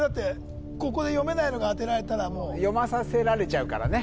ここで読めないのがあてられたらもう読まさせられちゃうからね